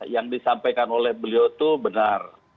yang disampaikan oleh beliau itu benar